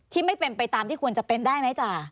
ไม่เป็นไปตามที่ควรจะเป็นได้ไหมจ้ะ